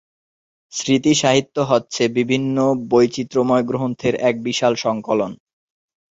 স্মৃতি সাহিত্য হচ্ছে বিভিন্ন বৈচিত্রময় গ্রন্থের এক বিশাল সংকলন।